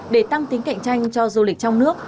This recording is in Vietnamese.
để tăng tính cạnh tranh cho du lịch trong nước